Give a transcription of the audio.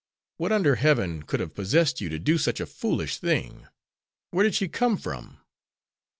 "What under heaven could have possessed you to do such a foolish thing? Where did she come from."